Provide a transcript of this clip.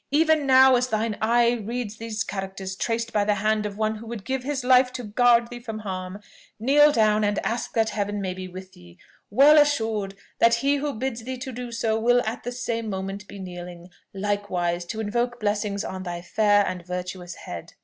even now, as thine eye reads these characters traced by the hand of one who would give his life to guard thee from harm, kneel down, and ask that Heaven may be with thee, well assured that he who bids thee to do so will at the same moment be kneeling, likewise, to invoke blessings on thy fair and virtuous head!